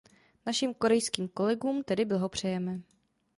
Našim korejským kolegům tedy blahopřejeme.